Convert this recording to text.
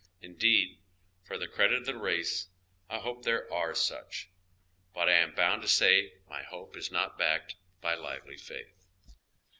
Indeed, for the credit of the race, I hope there are such. But I am bound to say my hope is not backed by lively faith.